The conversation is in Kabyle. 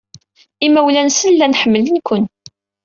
Imawlan-nsen llan ḥemmlen-ken.